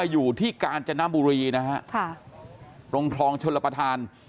อยู่ที่กาญจนบุรีนะฮะค่ะตรงคลองชลประธาน